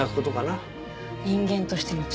人間としての力。